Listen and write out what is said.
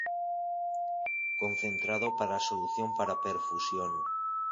Concentrado para solución para perfusión.